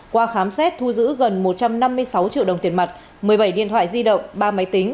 qua khám xét thu giữ gần một trăm năm mươi sáu triệu đồng tiền mặt một mươi bảy điện thoại di động ba máy tính